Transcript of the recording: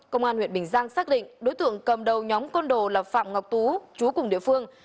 công an huyện bình giang xác định đối tượng cầm đầu nhóm con đồ là phạm ngọc tú chú cùng địa phương